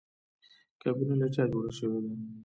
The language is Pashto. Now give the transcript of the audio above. کابینه له چا جوړه شوې ده؟